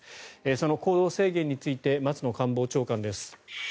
その行動制限について松野官房長官です。